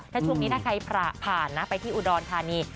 ถ้าช่วงนี้ถ้าใครผ่านนะไปที่อุดรธานี